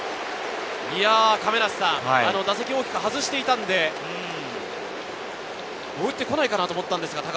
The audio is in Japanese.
打席を大きく外していたので、打っていかないかなと思ったんですが。